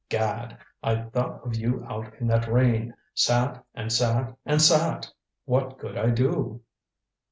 Gad I thought of you out in that rain. Sat and sat and sat. What could I do?"